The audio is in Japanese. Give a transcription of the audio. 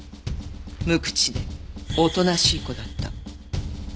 無口でおとなしい子だった。